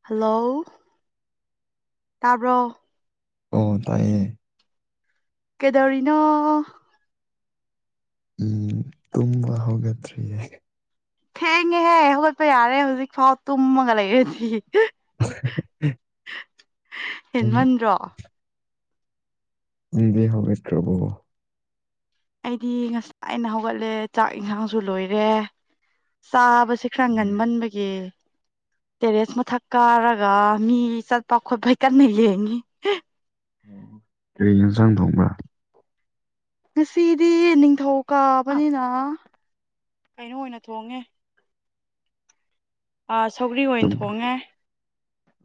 Hello ꯇꯥꯕ꯭ꯔꯣ ꯑꯣ ꯇꯥꯏꯌꯦ ꯀꯩꯗꯧꯔꯤꯅꯣ ꯎꯝ ꯇꯨꯝꯕ ꯍꯧꯒꯠꯇ꯭ꯔꯤꯌꯦ ꯊꯦꯡꯉꯦꯍꯦ ꯍꯧꯒꯠꯄ ꯌꯥꯔꯦ ꯍꯧꯖꯤꯛꯐꯥꯎ ꯇꯨꯝꯃꯒ ꯂꯩꯔꯗꯤ ꯅꯪ ꯍꯦꯟꯃꯟꯗ꯭ꯔꯣ ꯖꯤꯗꯤ ꯍꯧꯒꯠꯇ꯭ꯔꯕꯣ ꯑꯩꯗꯤ ꯉꯁꯥꯏꯅ ꯍꯧꯒꯠꯂꯦ ꯆꯥꯛ ꯏꯟꯁꯥꯡꯁꯨ ꯂꯣꯏꯔꯦ ꯆꯥꯕꯁꯦ ꯈꯔ ꯎꯝ ꯉꯟꯃꯟꯕꯒꯤ ꯑꯦ ꯇꯦꯔꯦꯁ ꯃꯊꯛ ꯀꯥꯔꯒ ꯃꯤ ꯆꯠꯄ ꯈꯣꯠꯄ ꯀꯟꯅ ꯌꯦꯡꯉꯤ ꯑꯣꯝ ꯀꯔꯤ ꯌꯦꯟꯁꯥꯡ ꯊꯣꯡꯕ꯭ꯔꯥ ꯉꯁꯤꯗꯤ ꯅꯤꯡꯊꯧ ꯀꯥꯕꯅꯤꯅ ꯀꯩꯅꯣ ꯑꯣꯏꯅ ꯊꯣꯡꯉꯦ ꯑ ꯁꯧꯒ꯭ꯔꯤ ꯑꯣꯏꯅ ꯊꯣꯡꯉꯦ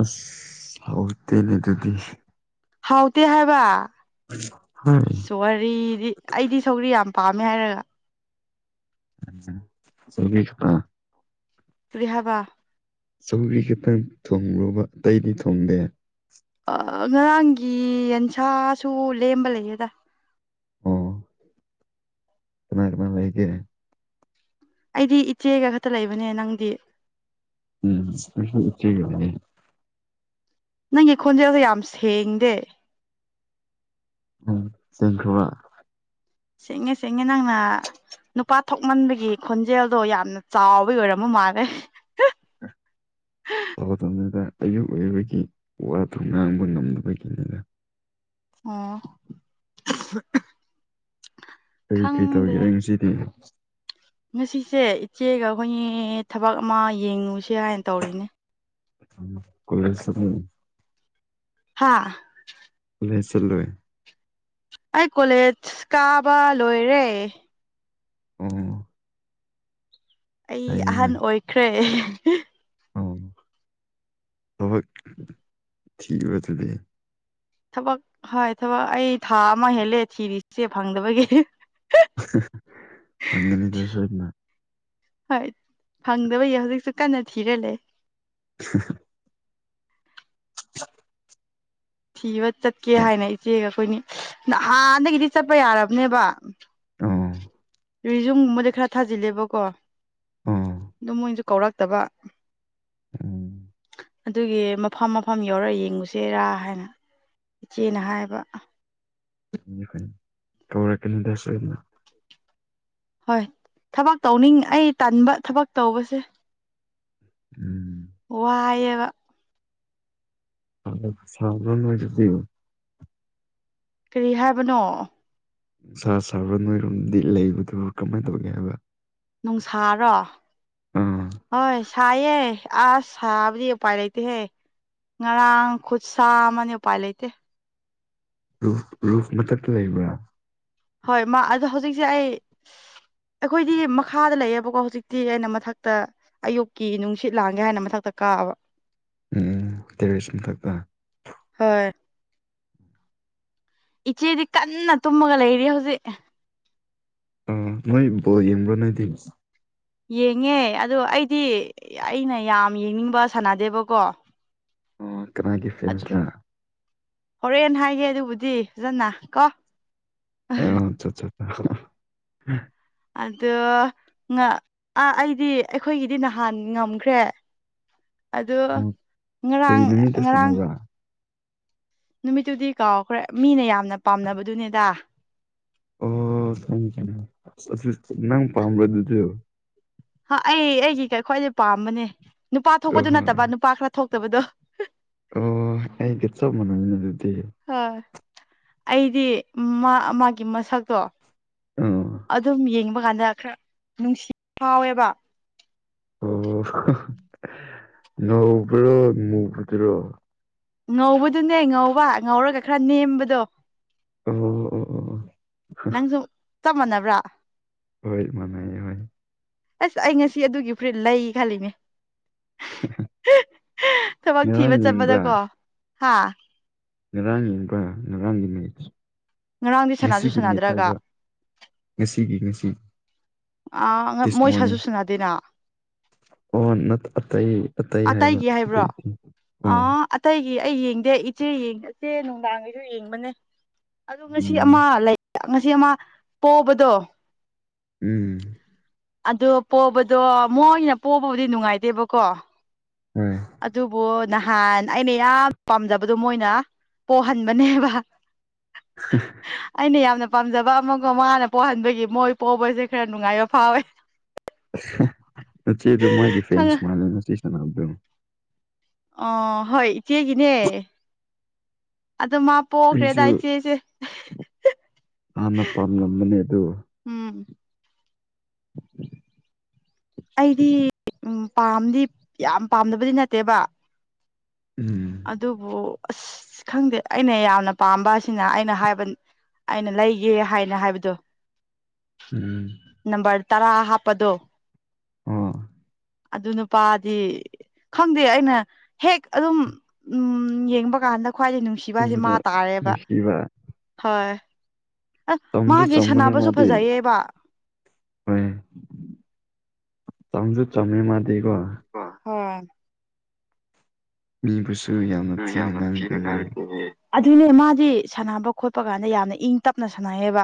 ꯑꯁ ꯍꯥꯎꯇꯦꯅꯦ ꯑꯗꯨꯗꯤ ꯍꯥꯎꯇꯦ ꯍꯥꯏꯕ ꯍꯣꯏ ꯋꯔꯤꯗꯤ ꯑꯩꯗꯤ ꯁꯧꯔꯤ ꯌꯥꯝ ꯄꯥꯝꯃꯦ ꯍꯥꯏꯔꯒ [unintelligible] ꯀꯔꯤ ꯍꯥꯏꯕ ꯁꯧꯒꯔꯤ ꯈꯤꯇꯪ ꯊꯣꯡꯕꯔ‌ꯣꯕꯥ ꯑꯇꯩꯗꯤ ꯊꯣꯡꯗꯦ ꯑꯥ ꯉꯔꯥꯡꯒꯤ ꯌꯦꯟꯁꯥꯁꯨ ꯂꯦꯝꯕ ꯂꯩꯌꯦꯗ ꯑꯣ ꯀꯅꯥ ꯀꯅꯥ ꯂꯩꯒ‌ꯦ ꯑꯩꯗꯤ ꯏꯆꯦꯒ ꯈꯛꯇ ꯂꯩꯕꯅꯦ ꯅꯪꯗꯤ ꯎꯝ ꯑꯩꯖꯨ ꯏꯆ‌ꯦꯒ ꯂꯩ ꯅꯪꯒꯤ ꯈꯣꯟꯖꯦꯜꯗ‌ꯣ ꯌꯥꯝ ꯁꯦꯡꯗꯦ ꯎꯝ ꯁ‌ꯦꯡꯈꯔꯥꯕ ꯁꯦꯡꯉꯦ ꯁꯦꯡꯉꯦ ꯅꯪꯅ ꯅꯨꯄꯥ ꯊꯣꯛꯃꯟꯕꯒꯤ ꯈꯣꯟꯖꯦꯜꯗꯣ ꯌꯥꯝꯅ ꯆꯥꯎꯕꯩ ꯑꯣꯏꯔꯝꯃ ꯃꯥꯜꯂꯦ ꯇꯧꯗꯝ ꯅꯤꯗ ꯑꯌꯨꯛ ꯑ‌ꯣꯏꯕꯒꯤ ꯋꯥꯗꯨ ꯉꯥꯡꯕ ꯉꯝꯗꯕꯒꯤꯅꯤꯅꯥ ꯑꯣ ꯀꯔꯤ ꯀꯔꯤ ꯈꯪꯗꯦ ꯇꯧꯒꯦꯔꯥ ꯉꯁꯤꯗꯤ ꯉꯁꯤꯁꯦ ꯏꯆꯦꯒ ꯑꯩꯈꯣꯏꯅꯤ ꯊꯕꯛ ꯑꯃ ꯌꯦꯡꯉꯨꯁꯦ ꯍꯥꯏꯅ ꯇꯧꯔꯤꯅꯦ ꯑ‌ꯣ ꯀ‌ꯣꯂ‌ꯦꯁ ꯆꯠꯂꯤ ꯍꯥꯥ ꯀ‌ꯣꯂꯦꯁ ꯆꯠꯂ‌ꯣꯏ ꯑꯩ ꯀꯣꯂꯦꯖ ꯀꯥꯕ ꯂꯣꯏꯔꯦ ꯑꯣ ꯑꯩ ꯐꯩꯌꯦꯅꯦ ꯑꯍꯟ ꯑꯣꯏꯈ꯭ꯔꯦ ꯑꯣ ꯊꯕꯛ ꯊꯤꯕ ꯑꯗꯨꯗꯤ ꯊꯕꯛ ꯍꯣꯏ ꯊꯕꯛ ꯑꯩ ꯊꯥ ꯑꯃ ꯍꯦꯜꯂꯦ ꯊꯤꯔꯤꯁꯦ ꯐꯪꯗꯕꯒꯤ ꯐꯪꯒꯅꯤ ꯗꯥ ꯁ‌ꯣꯏꯗꯅ ꯍꯣꯏ ꯐꯪꯗꯕꯒꯤꯍꯧꯖꯤꯛꯁꯨ ꯀꯟꯅ ꯊꯤꯔ ꯂꯩ [unintelligible] [unintelligible] ꯊꯤꯕ ꯆꯠꯀꯦ ꯑꯣ ꯍꯥꯏꯅ ꯏꯆꯦꯒ ꯑꯈꯣꯏꯅꯤ ꯍꯥꯟꯅꯗꯒꯤꯗꯤ ꯆꯠꯄ ꯌꯥꯔꯕꯅꯦꯕ ꯑ‌ꯣ ꯔꯤꯖꯨꯝꯒꯨꯝꯕꯗꯤ ꯈꯔ ꯊꯥꯖꯤꯜꯂꯦꯕꯀꯣ ꯎꯝ ꯑꯗꯨ ꯃꯣꯏꯁꯨ ꯀꯧꯔꯛꯇꯕ ꯎꯝ ꯑꯗꯨꯒꯤ ꯃꯐꯝ ꯃꯐꯝ ꯌꯧꯔ ꯌꯦꯡꯉꯨꯁꯦꯔꯥ ꯍꯥꯏꯅ ꯏꯆꯦꯅ ꯍꯥꯏꯕ [unintelligible] ꯀꯧꯔꯛꯀꯅꯤ ꯗ ꯁ‌ꯣꯏꯗꯅꯥ ꯍꯣꯏ ꯊꯕꯛ ꯇꯧꯅꯤꯡ ꯑꯩ ꯇꯟꯕꯥ ꯊꯕꯛ ꯇꯧꯕꯁꯦ ꯎꯝ ꯋꯥꯏꯌꯦꯕ ꯁꯥꯕꯔ‌ꯣ ꯅ‌ꯣꯏꯗꯗꯤ ꯀꯔꯤ ꯍꯥꯏꯕꯅꯣ ꯅꯨꯡꯁꯥ ꯁꯥꯕꯔꯥ ꯅꯣꯏꯔꯣꯝꯗꯤ ꯂꯩꯕꯗꯨ ꯀꯃꯥꯏꯟ ꯇꯧꯒꯦ ꯍꯥꯏꯕ ꯅꯨꯡꯁꯥꯔꯣ ꯑꯥ ꯍꯣꯏ ꯁꯥꯏꯌꯦ ꯑꯁ ꯁꯥꯕꯗꯤ ꯎꯄꯥꯏ ꯂꯩꯇꯦꯍꯦ ꯉꯔꯥꯡ ꯈꯨꯠ ꯁꯥ ꯑꯃꯅꯤ ꯎꯄꯥꯏ ꯂꯩꯇꯦ ꯔꯨꯐ ꯔꯨꯐ ꯃꯊꯛꯇꯥ ꯂꯩꯕ꯭ꯔꯥ ꯍꯣꯏ ꯃꯥ ꯑꯗꯣ ꯍꯧꯖꯤꯛꯁꯦ ꯑꯩ ꯑꯩꯈꯣꯏꯗꯤ ꯃꯈꯥꯗ ꯂꯩꯌꯦꯕꯀꯣ ꯍꯧꯖꯤꯛꯇꯤ ꯑꯩꯅ ꯃꯊꯥꯛꯇꯥ ꯑꯌꯨꯛꯀꯤ ꯅꯨꯡꯁꯤꯠ ꯂꯥꯡꯒꯦ ꯍꯥꯏꯅ ꯃꯊꯛꯇ ꯀꯥꯕ ꯎꯝ ꯇꯦꯔ‌ꯦꯁ ꯃꯊꯥꯛꯇꯥ ꯍꯣꯏ ꯏꯆꯦꯗꯤ ꯀꯟꯅ ꯇꯨꯝꯃꯒ ꯂꯩꯔꯤ ꯍꯧꯖꯤꯛ ꯑ‌ꯣ ꯅꯣꯏ ꯕ‌ꯣꯜ ꯌ‌ꯦꯡꯕ꯭ꯔꯥ ꯅ‌ꯣꯏꯗꯤ ꯌꯦꯡꯉꯦ ꯑꯗ‌ꯣ ꯑꯩꯗꯤ ꯑꯩꯅ ꯌꯥꯝ ꯌꯦꯡꯅꯤꯡꯕ ꯁꯅꯥꯗꯦꯕꯀꯣ ꯑꯣ ꯀꯅꯥꯒꯤ ꯐ꯭‌ꯦꯟꯁꯔꯥ ꯍꯣꯔꯦꯟ ꯍꯥꯏꯒꯦ ꯑꯗꯨꯕꯨꯗꯤ ꯐꯖꯅ ꯀꯣ꯫ [unintelligible] ꯑꯗꯣ꯫ ꯉꯥ ꯑꯥ ꯑꯩꯗꯤ ꯑꯩꯈꯣꯏꯒꯤꯗꯤ ꯅꯍꯥꯟ ꯉꯝꯈ꯭ꯔꯦ꯫ ꯑꯗꯣ ꯑꯣ ꯀꯔꯤ ꯉꯔꯥꯡ ꯅꯨꯃꯤꯠꯇ ꯉꯔꯥꯡ ꯁꯥꯟꯅꯕ꯭ꯔꯥ ꯅꯨꯃꯤꯠꯇꯨꯗꯤ ꯀꯥꯎꯈ꯭ꯔꯦ ꯃꯤꯅ ꯌꯥꯝꯅ ꯄꯥꯝꯅꯕꯗꯨꯅꯦꯗ꯫ ꯑꯣ ꯈꯪꯉꯦ ꯈꯪꯉꯦ ꯑꯗꯨ ꯅꯪ ꯄꯥꯝꯕꯗꯨꯗꯤ꯫ ꯑꯩ ꯑꯩꯒꯤ ꯈ꯭ꯋꯥꯏꯗꯒꯤ ꯄꯥꯝꯕꯅꯦ ꯅꯨꯄꯥ ꯑꯣ ꯊꯣꯛꯄꯗꯨ ꯅꯠꯇꯕ ꯍꯣꯏ ꯅꯨꯄꯥ ꯈꯔ ꯊꯣꯛꯇꯕꯗꯣ꯫ ꯑꯣ ꯑꯩꯒꯤ ꯆꯞ ꯃꯅꯩ ꯑꯗꯨꯗꯤ꯫ ꯍꯣꯏ ꯑꯩꯗꯤ ꯃꯥ ꯃꯥꯒꯤ ꯃꯁꯛꯇꯣ꯫ ꯑꯥ ꯑꯗꯨꯝ ꯌꯦꯡꯕ ꯀꯥꯟꯗ ꯈꯔ ꯅꯨꯡꯁꯤꯕ ꯐꯥꯎꯋꯦꯕ꯫ ꯑꯣ ꯅ ꯉꯧꯕ꯭ꯔꯣ ꯃꯨꯕꯗ꯭ꯨꯔꯣ꯫ ꯉꯧꯕꯗꯨꯅꯦ ꯉꯧꯕ ꯉꯧꯔꯒ ꯈꯔ ꯅꯦꯝꯕꯗꯣ꯫ ꯑꯣ꯫ ꯑꯣ ꯑꯣ ꯅꯪꯁꯨ ꯆꯞ ꯃꯥꯟꯅꯕ꯭ꯔꯥ꯫ ꯍꯣꯏ ꯃꯅꯩ ꯍꯣꯏ꯫ ꯑꯁ ꯑꯩ ꯉꯁꯤ ꯑꯗꯨꯒꯤ ꯐꯨꯔꯤꯠ ꯂꯩ ꯈꯜꯂꯤꯅꯦ꯫ ꯊꯕꯛ ꯊꯤꯕ ꯉꯔꯥꯡ ꯌꯦꯡꯕ꯭ꯔꯥ ꯆꯠꯄꯗꯀꯣ ꯍꯥ꯫ ꯉꯔꯥꯡ ꯌꯦꯡꯕ ꯉꯔꯥꯡꯒꯤ ꯅꯦꯠ ꯉꯔꯥꯡꯗꯤ ꯁꯅꯥꯁꯨ ꯉꯁꯤꯒꯤ ꯅꯦꯠ ꯁꯥꯟꯅꯗ꯭ꯔꯒ ꯍꯥꯏꯕ꯫ ꯉꯁꯤꯒꯤ ꯉꯁꯤꯒꯤ꯫ ꯑ ꯃꯣꯏ ꯁꯥꯖꯨ ꯁꯅꯗꯦꯅ꯫ ꯑꯣ ꯅ ꯑꯇꯩ ꯑꯇꯩ ꯍꯥꯏꯕ ꯑꯇꯩꯗꯤ ꯑꯣ ꯏꯇꯩꯒꯤ ꯑꯩ ꯌꯦꯡꯗꯦ ꯏꯆꯦꯒꯤ ꯏꯆꯦ ꯅꯨꯡꯗꯥꯡꯒꯤꯁꯨ ꯌꯦꯡꯕꯅꯦ꯫ ꯑꯗꯣ ꯉꯁꯤ ꯎꯝ ꯑꯃ ꯂꯩ ꯉꯁꯤ ꯑꯃ ꯄꯣꯕꯗꯣ꯫ ꯎꯝ꯫ ꯑꯣ ꯄꯣꯕꯗꯣ ꯃꯣꯏꯅ ꯄꯣꯕꯕꯨꯗꯤ ꯅꯨꯡꯉꯥꯏꯇꯦꯕꯀꯣ꯫ ꯎꯝ꫰꫰ ꯑꯗꯨꯕꯨ ꯅꯍꯥꯟ ꯑꯩꯅ ꯌꯥꯝ ꯄꯥꯝꯖꯕꯗꯣ ꯃꯣꯏꯅ꯫ ꯄꯣꯛꯍꯟꯕꯅꯦꯕ꯫ [unintelligible] ꯑꯩꯅ ꯌꯥꯝꯅ ꯄꯥꯝꯖꯕ ꯑꯃꯒ ꯃꯉꯥꯅ ꯄꯣꯛꯍꯟꯕꯒꯤ ꯃꯣꯏ ꯄꯣꯛꯕꯁꯦ ꯈꯔ ꯅꯨꯡꯉꯥꯏꯕ ꯐꯥꯎꯋꯦ꯫ ꯆꯦ ꯑꯗꯨ ꯃꯥꯒꯤ ꯐꯦꯟꯁ ꯈꯪꯉ ꯃꯥꯂꯦꯅ ꯆꯁꯅꯕꯗꯣ꯫ ꯑ ꯍꯣꯏ ꯏꯆꯦꯒꯤꯅꯦ꯫ ꯑꯗꯨ ꯃꯥ ꯄꯣꯛꯈ꯭ꯔꯦꯗ ꯑꯩꯁꯨ ꯏꯆꯦꯁꯦ꯫ ꯍꯥꯟꯅ ꯄꯥꯝꯂꯝꯕꯅꯦ ꯑꯗꯨ ꯎꯝ ꯑꯩꯗꯤ ꯎꯝ ꯄꯥꯝꯗꯤ ꯌꯥꯝ ꯄꯥꯝꯗꯕꯗꯤ ꯅꯠꯇꯦꯕ꯫ ꯎꯝ꯫ ꯑꯗꯨꯕꯨ ꯑꯁ ꯈꯪꯗꯦ ꯑꯩꯅ ꯌꯥꯝꯅ ꯄꯥꯝꯕ ꯑꯁꯤꯅ ꯑꯩꯅ ꯍꯥꯏꯕ ꯑꯩꯅ ꯂꯩꯒꯦ ꯍꯥꯏꯅ ꯍꯥꯏꯕꯗꯣ꯫ [unintelligible] ꯅꯝꯕꯔ ꯇꯔꯥ ꯍꯥꯞꯄꯗꯣ꯫ ꯑꯣ꯫ ꯑꯗꯨ ꯅꯨꯄꯥꯗꯤ ꯈꯪꯗꯦ ꯑꯩꯅ ꯍꯦꯛ ꯑꯗꯨꯝ ꯎꯝ ꯌꯦꯡꯕ ꯀꯥꯟꯗ ꯈ꯭ꯋꯥꯏꯗꯩ ꯅꯨꯡꯁꯤꯕ ꯍꯥꯏꯁꯦ ꯃꯥ ꯎꯕꯗ ꯇꯥꯔꯦꯕ ꯅꯨꯡꯁꯤꯕ ꯍꯣꯏ꯫ ꯑ ꯆꯝꯁꯨ ꯃꯥꯒꯤ ꯆꯝꯕꯅꯦ ꯁꯥꯟꯅꯕꯁꯨ ꯃꯥꯗꯤ꯫ ꯐꯖꯩꯌꯦꯕ ꯍꯣꯏ ꯆꯝꯁꯨ ꯆꯝꯃꯦ ꯃꯥꯗꯤꯀꯣ꯫ ꯍꯣꯏ꯫ ꯃꯤꯕꯨꯁꯨ ꯌꯥꯝ ꯎꯝ ꯌꯥꯝꯅ ꯊꯤꯅ ꯉꯥꯡꯉꯛꯄ ꯑꯣꯏꯌꯦ꯫ ꯑꯗꯨꯅꯦ ꯃꯥꯗꯤ ꯁꯥꯟꯅꯕ ꯈꯣꯠꯄ ꯀꯥꯟꯗ ꯌꯥꯝꯅ ꯏꯪ ꯇꯞꯅ ꯁꯥꯟꯅꯩꯌꯦꯕ꯫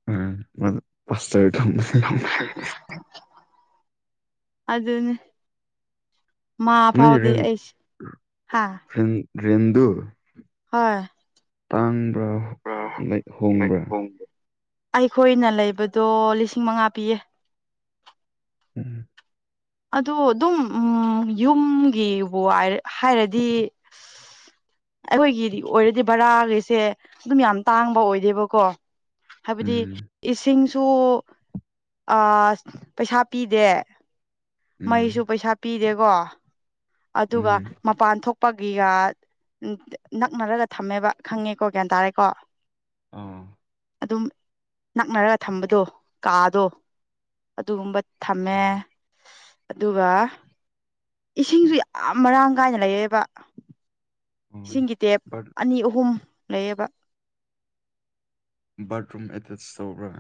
[unintelligible] ꯑꯗꯨꯅꯤ ꯃꯥ ꯅꯣꯏ ꯐꯥꯎꯗꯤ ꯑꯩꯁ ꯍꯥ ꯔꯗꯨ [unintelligible] ꯍꯣꯏ ꯇꯥꯡꯕ꯭ꯔꯥ ꯂꯩ ꯍꯣꯡꯕ꯭ꯔꯥ ꯑꯩꯈꯣꯏꯅ ꯂꯩꯕꯗꯣ ꯂꯤꯁꯤꯡ ꯃꯉꯥ ꯄꯤꯌꯦ ꯎꯝ ꯑꯗꯨ ꯑꯗꯨꯝ ꯎꯝ ꯌꯨꯝꯒꯤꯕꯨꯑꯥꯏ ꯍꯥꯏꯔꯗꯤ ꯑꯩꯈꯣꯏꯒꯤꯗꯤ ꯑꯣꯏꯔꯗꯤ ꯕꯔꯥꯒꯤꯁꯦ ꯑꯗꯨꯝ ꯌꯥꯝ ꯇꯥꯡꯕ ꯑꯣꯏꯗꯦꯕꯀꯣ ꯍꯥꯏꯕꯗꯤ ꯎꯝ ꯏꯁꯤꯡꯁꯨ ꯑ ꯄꯩꯁꯥ ꯄꯤꯗꯦ ꯎꯝ ꯃꯩꯁꯨ ꯄꯩꯁꯥ ꯄꯤꯗꯦꯀꯣ ꯑꯗꯨꯒ ꯎꯝ ꯃꯄꯥꯟ ꯊꯣꯛꯄꯒꯤꯒ ꯎꯝ ꯅꯛꯅꯔꯒ ꯊꯝꯃꯦꯕ ꯈꯪꯉꯦꯀꯣ ꯒ꯭ꯌꯥꯟ ꯇꯥꯔꯦꯀꯣ ꯑꯥ ꯑꯗꯨꯝ ꯅꯛꯅꯔ ꯊꯝꯕꯗꯣ ꯀꯥꯗꯣ ꯑꯗꯨꯒꯨꯝꯕ ꯊꯝꯃꯦ ꯎꯝ ꯑꯗꯨꯒ ꯏꯁꯤꯡꯁꯨ ꯌꯥꯝ ꯃꯔꯥꯡ ꯀꯥꯏꯅ ꯂꯩꯌꯦꯕ ꯑꯣ ꯏꯁꯤꯡꯒꯤ ꯇꯦꯞ ꯕꯥꯠ ꯑꯅꯤ ꯑꯍꯨꯝ ꯂꯩꯌꯦꯕ ꯕꯥꯔꯠꯔꯨꯝ ꯑꯦꯇꯦꯁ ꯇꯧꯕ꯭ꯔꯥ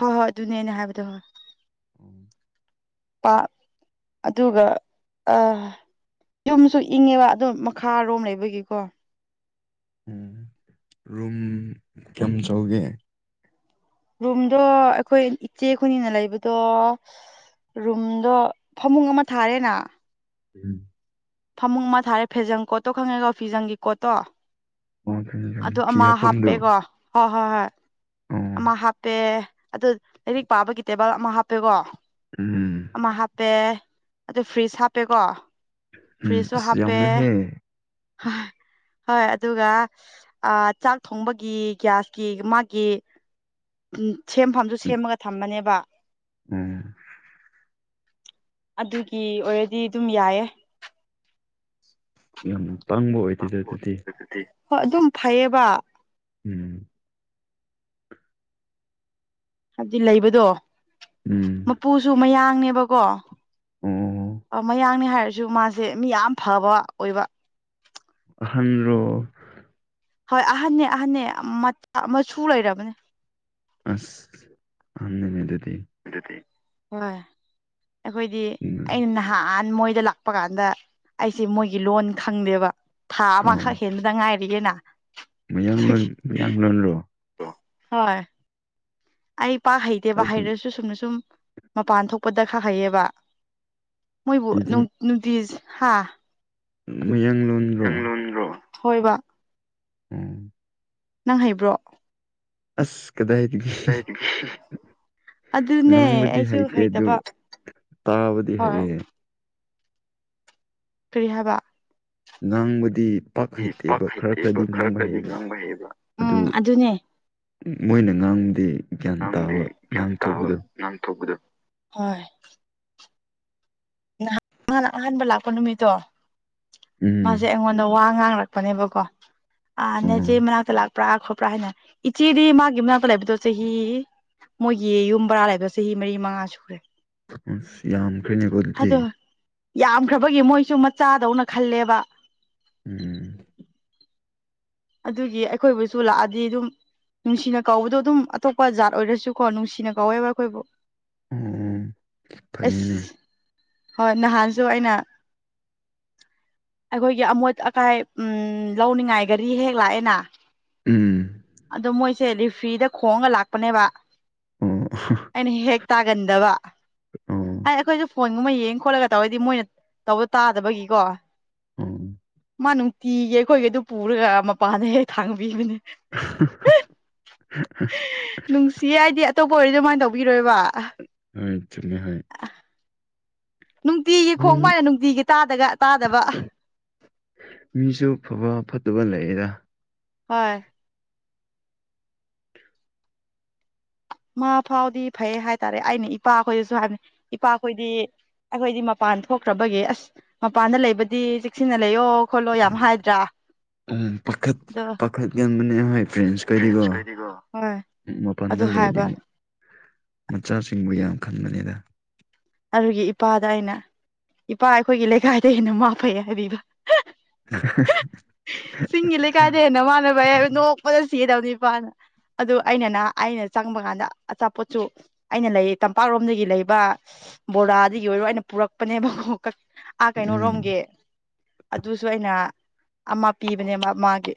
ꯍꯣꯏ ꯍꯣꯏ ꯑꯗꯨꯅꯦ ꯑꯩꯅ ꯍꯥꯏꯕꯗꯣ ꯍꯣꯏ [inaudible] ꯄꯥ ꯑꯗꯨꯒ ꯑ ꯌꯨꯝꯁꯨ ꯏꯪꯉꯦꯕ ꯑꯗꯨ ꯃꯈꯥꯔꯣꯝ ꯂꯩꯕꯒꯤꯀꯣ ꯎꯝ ꯔꯨꯝ ꯀꯌꯥꯝ ꯆꯥꯎꯒꯦ ꯔꯨꯝꯗꯣ ꯑꯩꯈꯣꯏ ꯏꯆꯦꯈꯣꯢꯅꯤꯅ ꯂꯩꯕꯗꯣ ꯔꯨꯝꯗꯣ ꯐꯃꯨꯡ ꯑꯃ ꯊꯥꯔꯦꯅ ꯎꯝ ꯐꯃꯨꯡ ꯑꯃ ꯊꯥꯔꯦ ꯐꯦꯖꯪ ꯀꯣꯠꯇꯣ ꯈꯪꯉꯦꯀꯣ ꯐꯤꯖꯪꯒꯤ ꯀꯣꯠꯇꯣ ꯑꯣ ꯈꯪꯉꯤ ꯈꯪꯉꯤ ꯑꯗꯨ ꯐꯤ ꯑꯃ ꯍꯥꯞꯐꯝꯗꯨ ꯍꯥꯞꯄꯦꯀꯣ ꯍꯣꯏ ꯍꯣꯏ ꯍꯣꯏ ꯑꯣ ꯑꯃ ꯍꯥꯞꯄꯦ ꯑꯗꯨ ꯂꯥꯏꯔꯤꯛ ꯄꯥꯕꯒꯤ ꯇꯦꯕꯜ ꯑꯃ ꯍꯥꯞꯄꯦꯀꯣ ꯎꯝ ꯑꯃ ꯍꯥꯞꯄꯦ ꯑꯗꯨ ꯐ꯭ꯔꯤꯖ ꯍꯥꯞꯄꯦꯀꯣ ꯎꯝ ꯑꯁ ꯌꯥꯝꯁꯦꯍꯦ ꯍ ꯍꯣꯏ ꯑꯗꯨꯒ ꯑ ꯆꯥꯛ ꯊꯣꯡꯕꯒꯤ ꯒ꯭ꯌꯥꯁꯀꯤ ꯃꯥꯒꯤ ꯎꯝ ꯁꯦꯝꯐꯝꯗꯨ ꯁꯦꯝꯃꯒ ꯊꯝꯕꯅꯦꯕ ꯎꯝ ꯑꯗꯨꯒꯤ ꯑꯣꯏꯔꯗꯤ ꯑꯗꯨꯝ ꯌꯥꯏꯑꯦ ꯌꯥꯝ ꯇꯥꯡꯕ ꯑꯣꯏꯗꯦꯗ ꯑꯗꯨꯗꯤ [inaudible] ꯍꯣꯏ ꯑꯗꯨꯝ ꯐꯩꯌꯦꯕ ꯎꯝ ꯍꯥꯏꯕꯗꯤ ꯂꯩꯕꯗꯣ ꯎꯝ ꯄꯨꯁꯨ ꯃꯌꯥꯡꯅꯦꯕꯀꯣ ꯑꯣ ꯑ ꯃꯌꯥꯡꯅꯦ ꯍꯥꯏꯔꯁ ꯁꯨ ꯃꯥꯁꯦ ꯃꯤ ꯌꯥꯝ ꯐꯕ ꯑꯣꯏꯕ ꯑꯍꯟꯔꯣ ꯍꯣꯏ ꯑꯍꯟꯅꯦ ꯑꯍꯟꯅꯅꯦ ꯃꯆꯥ ꯃꯆꯨ ꯂꯩꯔꯕꯅꯦ ꯑꯁ ꯑꯍꯟꯅꯤꯅꯦꯗꯨꯗꯤ ꯑꯗꯨꯗꯤ ꯍꯣꯏ ꯑꯩꯈꯣꯏꯗꯤ ꯎꯝ ꯑꯩꯅ ꯅꯍꯥ ꯅꯍꯥꯟ ꯃꯣꯏꯗ ꯂꯥꯛꯄ ꯀꯥꯟꯗ ꯑꯩꯁꯦ ꯃꯣꯏꯒꯤ ꯂꯣꯟ ꯈꯪꯗꯦꯕ ꯊꯥ ꯑꯃꯈꯛ ꯑꯣ ꯍꯦꯟꯕꯗ ꯉꯥꯏꯔꯤꯌꯦꯅ ꯃꯌꯥꯡꯂꯣꯟ ꯑꯗꯨꯒꯤ ꯃꯌꯥꯡꯂꯣꯟꯔꯣ ꯍꯣꯏ ꯑꯩ ꯄꯥꯛ ꯍꯩꯇꯦꯕ ꯑꯩꯗꯤ ꯍꯩꯔꯁꯨ ꯆꯨꯝꯅ ꯁꯨꯝ ꯃꯄꯥꯟ ꯊꯣꯛꯄꯗ ꯈꯛ ꯍꯩꯌꯦꯕ ꯃꯣꯏꯕꯨ ꯑꯩꯗꯤ ꯅꯨꯡ ꯅꯨꯡꯇꯤꯁ ꯍꯥ ꯃꯌꯥꯡꯂꯣꯟ ꯂꯣꯟꯕ꯭ꯔꯣ ꯍꯣꯏꯕ ꯎꯝ ꯅꯪ ꯍꯩꯕ꯭ꯔꯣ ꯑꯁ ꯀꯗꯥꯏꯗꯥꯒꯤ ꯑꯗꯨꯅꯦ ꯉꯥꯡꯕꯗꯤ ꯑꯩꯁꯨ ꯍꯩꯇꯦ ꯑꯗꯨ ꯍꯩꯇꯕ ꯇꯥꯕꯗꯤ ꯍꯣꯏ ꯍꯩꯌꯦ ꯀꯤꯔꯤ ꯍꯥꯏꯕ ꯉꯥꯡꯕꯗꯤ ꯄꯥꯛ ꯍꯩꯇꯦꯕ ꯈꯔ ꯈꯔꯗꯤ ꯉꯥꯡꯕ ꯍꯩꯕ ꯎꯝ ꯑꯗꯨ ꯑꯗꯨꯅꯦ ꯃꯣꯏꯅ ꯉꯥꯡꯕꯗꯤ ꯒ꯭ꯌꯥꯟ ꯇꯥꯕ ꯉꯥꯡꯊꯣꯛꯄꯗꯣ ꯉꯥꯡꯊꯣꯛꯄꯗꯨ ꯍꯣꯏ ꯅꯥꯍꯟ ꯃꯥꯅ ꯑꯍꯥꯟꯕ ꯂꯥꯛꯄ ꯅꯨꯃꯤꯠꯇꯣ ꯃꯥꯖꯦ ꯎꯝ ꯑꯩꯉꯣꯟ ꯗꯥ ꯋꯥ ꯉꯥꯡꯔꯛꯄꯅꯦꯕꯀꯣ ꯑꯥ ꯅꯦꯆꯦ ꯑꯣ ꯃꯅꯥꯛꯇꯥ ꯂꯥꯛ ꯄ꯭ꯔꯥ ꯈꯣꯄ꯭ꯔꯥ ꯍꯥꯏꯅ ꯏꯆꯦꯗꯤ ꯃꯥꯒꯤ ꯃꯅꯥꯛꯇꯥ ꯂꯩꯥꯏꯕꯗꯣ ꯆꯍꯤ ꯃꯣꯏꯒꯤ ꯌꯨꯝ ꯕꯔꯥ ꯂꯩꯕ ꯆꯍꯤ ꯃꯔꯤ ꯃꯉꯥ ꯁꯨꯈ꯭ꯔꯦ ꯑꯁ ꯌꯥꯝꯈ꯭ꯔꯦꯅꯦꯀꯣ ꯑꯗꯨꯗꯤ ꯌꯥꯝꯈ꯭ꯔꯥꯕꯒꯤ ꯃꯣꯏꯁꯨ ꯃꯆꯥꯗꯧꯅ ꯈꯜꯂꯦꯕ ꯎꯝ ꯑꯗꯨꯒꯤ ꯑꯩꯈꯣꯏꯕꯨꯁꯨ ꯂꯥꯛꯑꯗꯤ ꯑꯗꯨꯝ ꯅꯨꯡꯁꯤꯅ ꯀꯧꯕꯗꯣ ꯑꯗꯨꯝ ꯑꯇꯣꯞꯄ ꯖꯥꯠ ꯑꯣꯏꯔꯁꯨꯀꯣ ꯅꯨꯡꯁꯤꯅ ꯀꯧꯋꯦꯕ ꯑꯩꯈꯣꯏꯕꯨ ꯑꯣ ꯑꯁ ꯐꯩꯅꯦ ꯍꯣꯏ ꯅꯍꯥꯟꯁꯨ ꯑꯩꯅ ꯑꯩꯈꯣꯏꯒꯤ ꯑꯃꯣꯠ ꯑꯀꯥꯏ ꯎꯝ ꯂꯧꯅꯤꯡꯉꯥꯏ ꯒꯔꯤ ꯍꯦꯛ ꯂꯥꯛꯑꯦꯅ ꯎꯝ ꯑꯗꯣ ꯃꯣꯏꯁꯦ ꯂꯤꯐ꯭ꯔꯤꯗ ꯈꯣꯡꯉꯒ ꯂꯥꯛꯄꯅꯦꯕ ꯑꯣ ꯑꯩꯅ ꯍꯦꯛ ꯍꯦꯛ ꯇꯥꯒꯟꯗꯕ ꯑꯣ ꯑꯥꯏ ꯑꯩꯈꯣꯏꯖꯨ ꯐꯣꯟ ꯒꯨꯝꯕ ꯌꯦꯡ ꯈꯣꯠꯂꯒ ꯇꯧꯔꯗꯤ ꯃꯣꯏꯅ ꯇꯧꯕꯗꯣ ꯇꯥꯗꯕꯒꯤꯀꯣ ꯎꯝ ꯃꯥ ꯅꯨꯡꯇꯤꯒꯤ ꯑꯩꯈꯣꯏꯒꯤꯗꯨ ꯄꯨꯔꯒ ꯃꯄꯥꯟꯗ ꯍꯦꯛ ꯊꯥꯡꯕꯤꯕꯅꯦ [unintelligible] ꯅꯨꯡꯁꯤꯌꯦ ꯑꯩꯗꯤ ꯑꯇꯣꯞꯄ ꯑꯣꯏꯔꯗꯤ ꯑꯗꯨꯃꯥꯏꯟ ꯇꯧꯕꯤꯔꯣꯏꯕ ꯍꯣꯏ ꯆꯨꯝꯃꯦ ꯍꯣꯏ ꯅꯨꯡꯇꯤꯒꯤ ꯃꯤ ꯈꯣꯡ ꯃꯥꯏꯅ ꯅꯨꯡꯇꯤꯒꯤ ꯇꯥꯗꯒ ꯇꯥꯗꯕ ꯃꯤꯁꯨ ꯐꯕ ꯐꯠꯇꯕ ꯂꯩꯌꯦꯗ ꯍꯣꯏ ꯃꯥ ꯐꯥꯎꯗꯤ ꯐꯩ ꯍꯥꯏꯇꯥꯔꯦ ꯑꯩꯅ ꯏꯄꯥꯈꯣꯏꯗꯁꯨ ꯍꯥꯏꯕꯅꯤ ꯏꯄꯥꯈꯣꯏꯗꯤ ꯑꯩꯈꯣꯏꯗꯤ ꯃꯄꯥꯟ ꯊꯣꯛꯈ꯭ꯔꯥꯕꯒꯤ ꯑꯁ ꯃꯄꯥꯟꯗ ꯂꯩꯕꯗꯤ ꯆꯦꯛꯁꯤꯟꯅ ꯂꯩꯌꯣ ꯈꯣꯠꯂꯣ ꯌꯥꯝ ꯍꯥꯏꯗ꯭ꯔꯥ ꯎꯝ ꯄꯥꯈꯠ ꯑꯗꯣ ꯄꯥꯈꯠ ꯌꯥꯟꯕꯅꯦ ꯍꯣꯏ ꯄꯦꯔꯦꯟꯁ ꯈꯣꯏꯗꯤꯒꯣ ꯒꯣ ꯍꯣꯏ ꯎꯝ ꯑꯗꯨ ꯃꯄꯥꯟꯗ ꯂꯩꯔꯗꯤ ꯍꯥꯏꯕ ꯃꯆꯥꯁꯤꯡꯕꯨ ꯌꯥꯝ ꯈꯟꯕꯅꯤꯗ ꯑꯗꯨꯒꯤ ꯏꯄꯥꯗ ꯑꯩꯅ ꯏꯄꯥ ꯑꯩꯈꯣꯏꯒꯤ ꯂꯩꯀꯥꯏꯗ ꯍꯦꯟꯅ ꯃꯥ ꯐꯩ ꯍꯥꯏꯕꯤꯕ [unintelligible] ꯆꯤꯡꯒꯤ ꯂꯩꯀꯥꯏꯗꯩ ꯍꯦꯟꯅ ꯃꯥꯅ ꯕꯩ ꯍꯥꯏꯕ ꯅꯣꯛꯄꯗ ꯁꯤꯗꯕꯅꯤ ꯏꯄꯥꯅ ꯑꯗꯨ ꯑꯩꯅ ꯅꯍꯥ ꯑꯩꯅ ꯆꯪꯕ ꯀꯥꯟꯗ ꯑꯆꯥꯄꯣꯠꯁꯨ ꯑꯩꯅ ꯂꯩ ꯇꯝꯄꯥꯛꯔꯣꯝꯗꯒꯤ ꯂꯩꯕ ꯕꯣꯔꯥꯗꯒꯤ ꯑꯣꯏꯔꯣ ꯑꯩꯅ ꯄꯨꯔꯛꯄꯅꯦꯕꯀꯣ ꯑꯥ ꯎꯝ ꯀꯩꯅꯣꯔꯣꯝꯒꯤ ꯑꯗꯨꯁꯨ ꯑꯩꯅ ꯑꯃ ꯄꯤꯕꯅꯦꯕ ꯃꯥꯒꯤ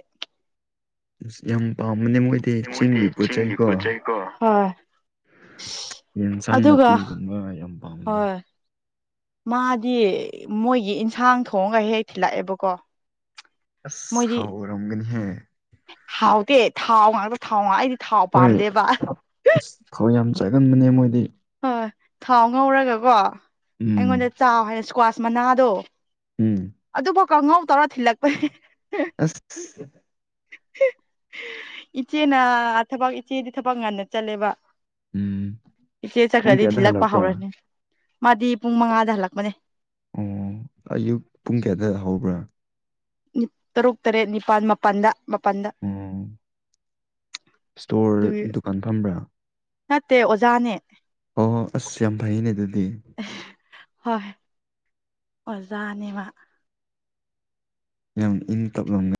ꯑꯁ ꯌꯥꯝ ꯄꯥꯝꯕꯅꯦ ꯃꯣꯏꯗꯤ ꯄꯣꯠ ꯆꯤꯡꯒꯤ ꯆꯩꯀꯣ ꯄꯣꯠꯆꯩꯀꯣ ꯌꯦꯟꯁꯥꯡ ꯅꯥꯄꯤꯒꯨꯝꯕ ꯌꯥꯝ ꯄꯥꯝꯅꯦ ꯍꯣꯏ ꯃꯥꯗꯤ ꯃꯣꯏꯒꯤ ꯏꯟꯁꯥꯡ ꯊꯣꯡꯉꯒ ꯍꯦꯛ ꯊꯤꯜꯂꯛꯑꯦꯕꯀꯣ ꯑꯁ ꯍꯥꯎꯔꯝꯒꯅꯤꯍꯦ ꯍꯥꯎꯗꯦ ꯊꯥꯎ ꯉꯥꯛꯇ ꯊꯥꯎꯉ ꯑꯩꯗꯤ ꯊꯥꯎ ꯍꯣꯏ ꯄꯥꯝꯗꯦꯕ ꯑꯁ ꯊꯧ ꯌꯥꯝ ꯆꯥꯒꯟꯕꯅꯦ ꯃꯣꯏꯗꯤ ꯍꯣꯏ ꯊꯥꯎ ꯉꯧꯔꯒꯀꯣ ꯎꯝ ꯑꯩꯉꯣꯟꯗ ꯆꯥꯎ ꯍꯥꯏꯅ ꯏꯁꯀ꯭ꯋꯥꯁ ꯃꯅꯥꯗꯣ ꯎꯝ ꯑꯗꯨꯕꯨ ꯀꯥꯡꯉꯧ ꯇꯧꯔ ꯊꯤꯜꯂꯛꯄꯅꯦ ꯑꯁ ꯏꯆꯦꯅ ꯊꯕꯛ ꯏꯆꯦꯗꯤ ꯊꯕꯛ ꯉꯟꯅ ꯆꯠꯂꯦꯕ ꯎꯝ ꯏꯆꯦ ꯄꯨꯡ ꯆꯠꯈ꯭ꯔꯗꯤ ꯀꯌꯥꯗ ꯊꯤꯜꯂꯛꯄ ꯍꯜꯂꯛꯄ꯭ꯔꯥ ꯍꯧꯔꯅꯤ ꯃꯥꯗꯤ ꯄꯨꯡ ꯃꯉꯥꯗ ꯍꯜꯂꯛꯄꯅꯦ ꯑꯣ ꯑꯌꯨꯛ ꯄꯨꯡ ꯀꯌꯥꯗ ꯍꯧꯕ꯭ꯔꯥ ꯇꯔꯨꯛ ꯇꯔꯦꯠ ꯅꯤꯄꯥꯜ ꯃꯥꯄꯜꯗ ꯃꯥꯄꯜꯗ ꯁ꯭ꯇꯣꯔ ꯑꯗꯨꯒꯤ ꯗꯨꯀꯥꯟ ꯐꯝꯕ꯭ꯔꯥ ꯅꯠꯇꯦ ꯑꯣꯖꯥꯅꯦ ꯑꯣ ꯑꯁ ꯌꯥꯝ ꯐꯩꯅꯦ ꯑꯗꯨꯗꯤ ꯍꯣꯏ ꯑꯣꯖꯥꯅꯦ ꯃꯥ ꯌꯥꯝ ꯏꯪ ꯇꯞꯂꯝꯒꯅꯤ